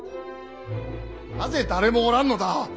なぜ誰もおらんのだ。